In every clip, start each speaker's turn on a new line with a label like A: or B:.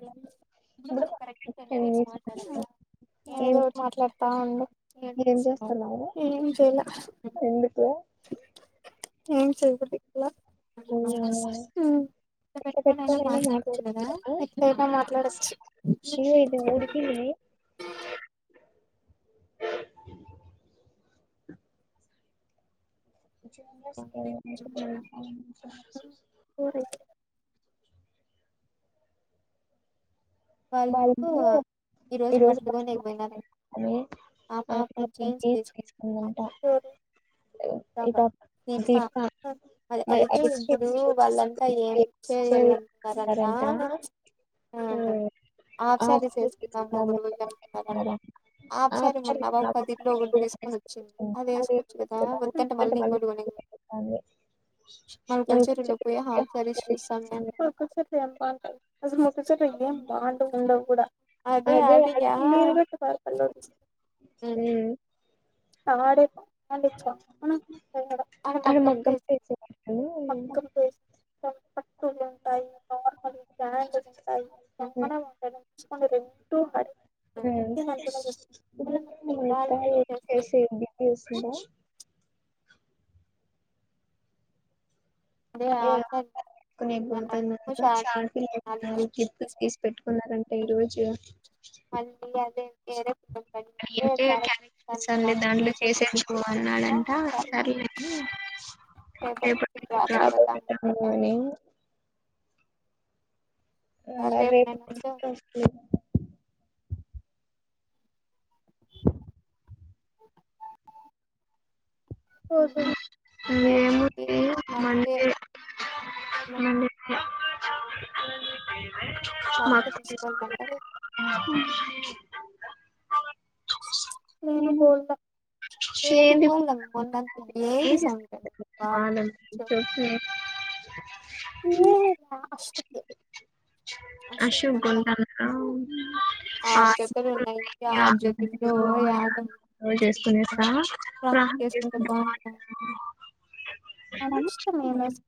A: దేని గురించి మనం కరెక్ట్ టెన్ మినిట్స్ మాట్లాడాలి గదా. నేను ఏదో ఒకటి మాట్లాడుతా ఉండు. [unintelligible] ఏం చేయాల. ఏం చేయాలి ఇక్కడ? అవునా? మ్మ్.
B: ఎట్లా పెట్టుకొని అయినా [unintelligible] [inaudible] ఉడుపి ఇని. ఏం జేస్తున్నారు? [unintelligible]
A: వాళ్లు ఈరోజు, బట్టలుగొనికిపోయినారంట. ఆ పాప జీన్స్ తెచ్చుకు [unintelligible] ఎవరూ? అ [unintelligible] అయితే ఇప్పుడు వాళ్ళంతా ఏం? చేయాలి అంటున్నారంట.
B: ఎవరు?
A: హాఫ్ సారీస్ చేసుకుందాం గ్గురువులు కనుకున్నారంట హాఫ్ సారీస్ మొన్న ఒక ఖాదీలో ఒకటి తీసుకొచ్చింది. అది వేసుకోవచ్చు గదా. వద్దంటే మళ్లీ ఇంకొకటి కొనిది.
B: అదే.
A: మనం కల్చర్ రూమ్‌లోకి పోయి హాఫ్ సారీస్ చూస్తేమే [unintelligible] అసలు మొక్క చోట [unintelligible] మ్. పాండు ఉండవు గూడా, అదే అడిగా. మీరు గిట్ట [unintelligible] తీస్.
B: హ
A: తడే ఇచ్చ ఆన మగ్గం చేసింది అక లు ఉంటాయి నార్మల్ జనజ ఉంటాయి చనే ఉంటా చ ూ అ మస్త కా అదే ఆ స
B: నేపోతున్నా షాల్ తీసి పెట్టుకున్నారంటే ఈ రోజు
A: మళ్ీ అదే ఏర ప
B: అ ఏంటి క సల్లే దాంట్లో చేసేందుకు అన్నాడంట సర్లేదు ఏ ప ర
A: రోజ జకి మంటే
B: అ మ
A: నేను బల్ ఏది బల్ బడాంత ఏది స
B: బనం చస్తు
A: లే అస అశికుంటాను ఆరు ద్గలు ఉన్నాయి ార్ జొతిందో దో హ కేసుకుంటే బాగుంద అనిష్ట మేమస్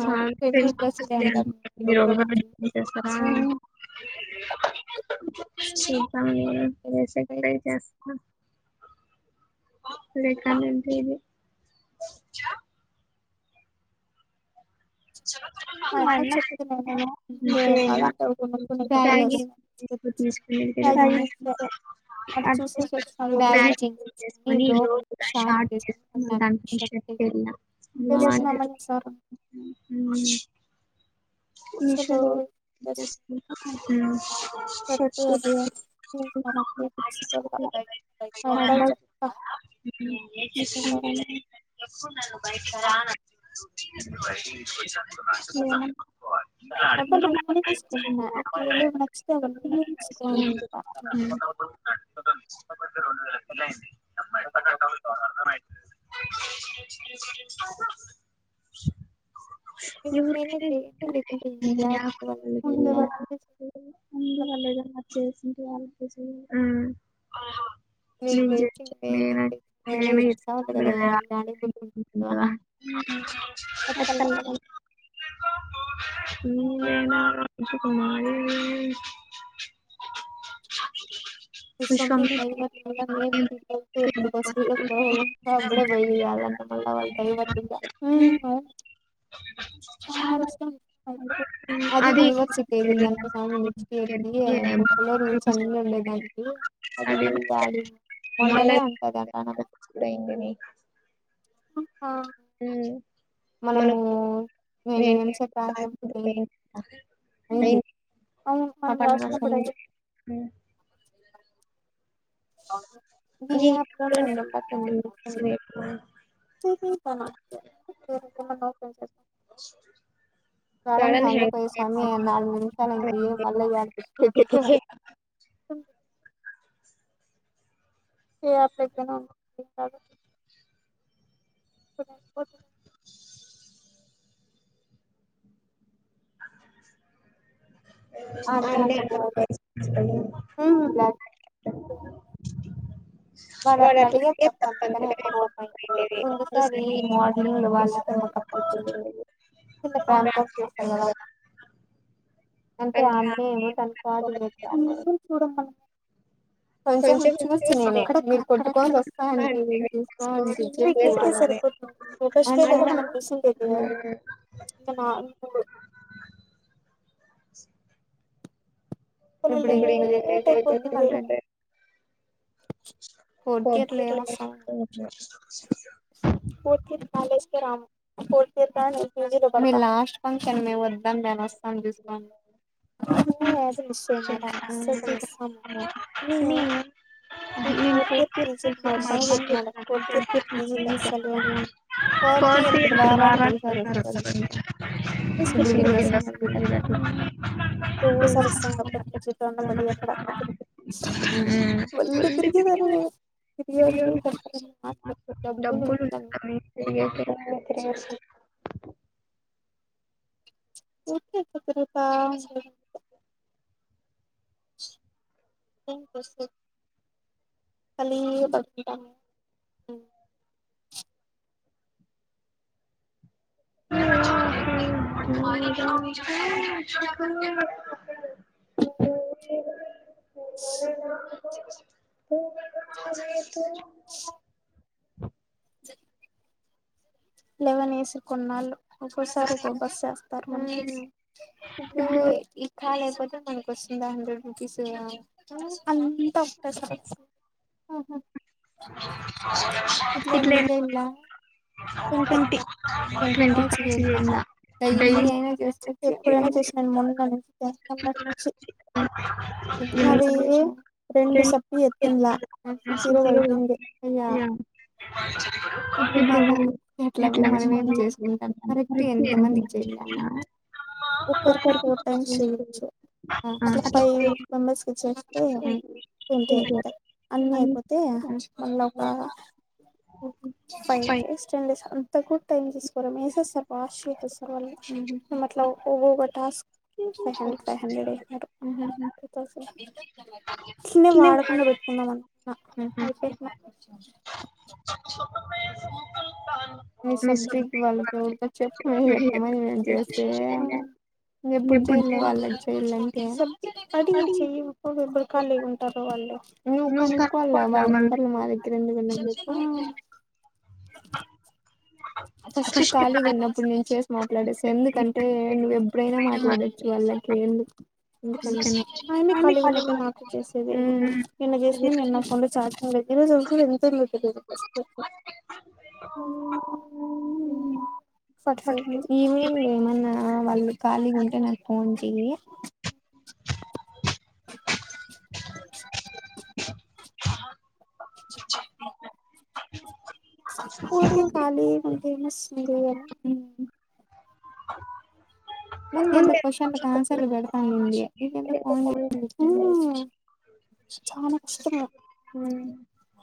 B: స్త సత వస ఎ చేస్త లేకంటిది చ మ అన్న చెప్న్నానా ఇేనా తీ తీసుకు సై బ్యాసుకొని లో షార్ట్ని దాని అలా ఉషలోస్ సబ ఏసు ఎప్పుడున్నాను బయటికి రాను సఓ
A: అ నే తీసు మలక్షతేన్న తీసు
B: ఇ ఇ నమ్ ఎట్ కట్ట అర్థం చిర ఇ అందు వాళద మ చేసింట వాళ [unintelligible] కుమారి
A: పష్కడ వయాల వ ా రస్తతే అది యూనివర్సిటీ ఏది ఉందానికి సము నెక్స్ట్ ఇయర్ కి బొక్కలో ను చన్న ఉండేదానికి అదిపో గడి
B: ముళ్ళడయి అ
A: మనము నేను ఏమిచెప్పా [inaudible] అయింది [inaudible] కడన్ హంగ పోయ స్వామి నాలుగు నిమిషాల ఉంది మళ్ళ [inaudible] ఏే జ ఉమ్ వాడు అట్లా అడిగే తప్ప అందుకనే ఎక్కుయింది ముందుసారి మార్నింగ్లు వాళ్ళు అంటే అన్న ఏమో తను కాదు లేదు అ చూడ మన కొంచెం చూస్త నేను మీరు కొట్టుకోవని చస్తా ఉంటే నేను చూస్తా ఉంటీ [inaudible] [unintelligible] ఇంకా నాలుగు ఇప్పుడు ఫోర్త్ యియర్ లో ఏం వస్తాం ఫోర్ ఇర్ కాలజ్ కె రామ్ ఫోర్ ఇర్ కాలెజ్ రమజాన్ వస్తాను చూసుకొని నాడా ఫోర్త్ యియర్ పీజీ చెప్పినాడు ఫోర్త్ యియర్ పీజీ కి వస్తాడేమో వారానికి ఒక సారి వస్తాడా ఇప్పుడు వీళ్ళు వస్తండరు చూడు అట్లా ఒక సరే వస్తాం అపుడు చూడం లే
B: అ
A: బాలే తిరిగి దాని నేను తిరిగే డబ్బులు ఉండవ్
B: [inaudible]
A: ఊరికే తిరుగుత ఉండు స్త ఖాళీగా పడుకుంట
B: అ
A: స్
B: [inaudible]
A: చె లెవెన్ వేసిర్కన్నాలు ఒకో సరే ఒక బస్సస్తారు మనకి కాలి అయిపోతే మనకి హండ్రెడ్ రుపీస్ అంతా
B: ఇట్లే ట్వంటి ట్వంటి పాయింట్స్
A: డైలీ అయినా చేస్తుంటే ఎప్పుడైనా చేసినను మొన్న నుంచి నాది రెండు సప్లై ఎత్తిండ్ల జీరో పడుతుంది
B: [inaudible] ఫిబ్రువరి ఎట్లా ఒక్కరికి
A: అట్లా ఫైవ్ మెంబర్స్ కి ఇచ్చేస్తే ట్వంటీ అయిపోతాయి అన్ని అయిపోతే మళ ఒక ఫై డేస్ టెన్ డేస్ అంతకూ టైం తీసుకోరా మేసేస్త ఫాస్ట్ పర్వాలే మనమట్ల ఓగోగ task five hundred five hundred ఏసినారు స్ని వాడకుండా పెట్టుకుందామనుకున్నా అయిపో మి సబ్జెక్ట్ వాళెవరుంటె చెప్మీ ఎట్టా మీ చేస్తే ఎప్పుడు జెయ్ల వాళ్ళక్ చెయలేన్ సబ్జెక్ట్ అదీ చేయక్పొగ ఎవర్ ఖాళీగుంటారు వాళ్ళు నువ్ కనుక్కోవాలా వాళ్ళ నెంబర్లు మా దగ్గర ఎందుకుంటయ్ చెప్పు ఫస్ట్ కాలిగున్నప్పుడు నేన్ చేస్ మాట్లాడేసా ఎందుకంటే నువ్వేప్పుడైనా మాట్లాడొచ్చు వాళ్ళకి ఎందు ఎందుకని ఆయమ్మి ఖాళీగున్నపుడే నాకు జేసేది, నిన్న చేసింది నేను నా ఫోన్ లో చార్జింగ్ లేక్ ఏరోజు ఎంత [unintelligible]
B: ఉమ్ హు
A: ఈవినింగ్ ఏమన్నా వాళ్ళు ఖాళీగుంటే నాకు ఫోన్ చెయ్యి ఊకే ఖాళీగుంటేనా [unintelligible] వీడియోలు ముందెందుకు క్వశ్చన్లకు ఆన్సర్లు బేడతా ఉంది, ఈమెందుకు ఫోన్ చేస్ చాలా కష్టము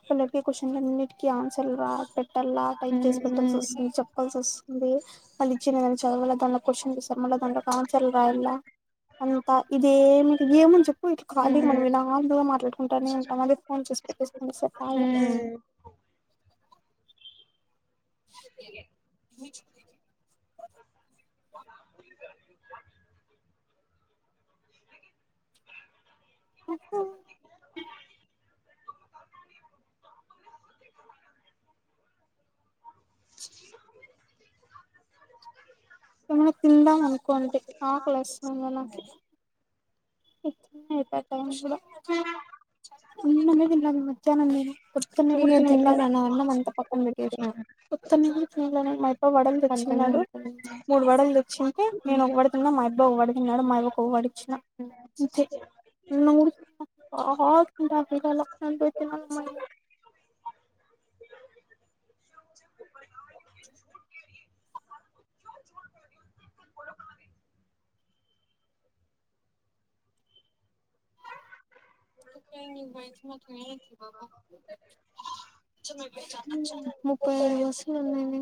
A: వాళ్ళడిగే క్వషన్లనింటికి కి ఆన్సర్లు రా పెట్టాల్లా టైం చూసి పెట్టొచ్చు [unintelligible] చెప్పాల్సోస్ అ మళ్ళీ వాళ్లిచ్చిందేమన్న చదవాల దాంలో క్వశ్చన్ లిస్తరు మళ్ళ దాంట్లో ఆన్సర్లు రాయాల అంతా ఇదే మీకు గేముంది చెప్పు ఇట్ల ఖాలిగ [unintelligible] మాట్లాడుకుంటానే ఉంటాం అద ఫోన్ చె ఉమ్
B: ఓక
A: [unintelligible] చె ఏమనా తిందామనుకొంటి ఆకలేస్తుందింగ నాకి తినే పెద్ద [unintelligible] తిననే తినలేదు మధ్యాహ్నం నేను [unintelligible] అన్నమంత పక్కనా బెట్టేషిన ఉత్త [unintelligible] మయబ్బ వడలు తెచ్చిన్నాడు మూడు వడల్ దెచ్చి తె నేనొక వడ తిన్నా, మాయబ్బ ఒక వడ తిన్నాడు, మాయవ్వకో వడ ఇచ్చిన అంతే నువ్గుడ ఓ హొ [unintelligible] నేన్పోయ్ తినాల మల్ల క వై మా త ఏ బబ ముప్పై ఐదు బస్లునాయ్మె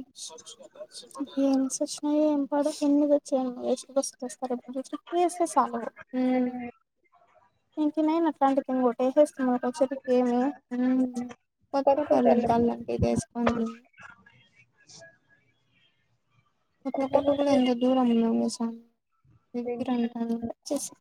A: ఏం పడు కున్నదొచ్చి వెస్ట్ బస్ కోస్తారు ఎపుడు జూసిన ఏ సి ఎస్తే చాలు ఇంక నేను అట్లాంటివి తిన్ ఒట్టేసేస్తున్నా ఒచ్చేప్పటికేమి కొత్తకళ్లద్దాలంట ఏసుకొన్
B: అ
A: కొత్త కోట గుడా ఎంత దూరం ఉందా మోస్ దింపిరంట అలాపోచ్చేసి